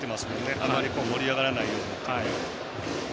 あまり盛り上がらないようにと。